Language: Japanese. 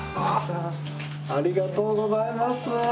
ありがとうございます！